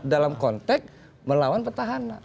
dalam konteks melawan petahana